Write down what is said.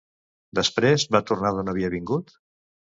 Després, va tornar d'on havia vingut?